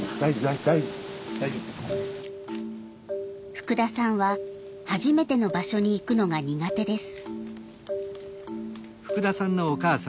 福田さんは初めての場所に行くのが苦手です。